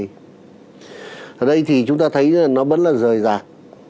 ở đây thì chúng ta thấy nó vẫn là rời rạc